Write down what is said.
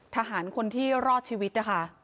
ทหารคนที่รอดชีวิตนะคะ